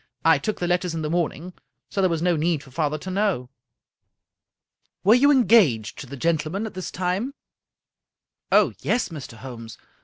I took the letters in the morning, so there was no need for father to know." " Were you engaged to the gentleman at this time ?"" Oh, yes, Mr. Holmes.